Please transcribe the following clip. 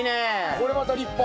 これまた立派。